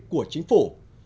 của chính phủ